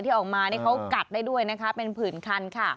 ออกมานี่เขากัดได้ด้วยนะคะเป็นผื่นคันค่ะ